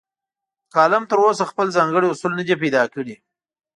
کالم تراوسه خپل ځانګړي اصول نه دي پیدا کړي.